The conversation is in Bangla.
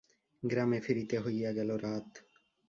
গ্রামে ফিরিতে হইয়া গেল রাত।